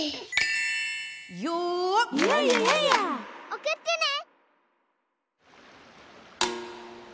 おくってね！